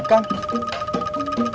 cari siapa sih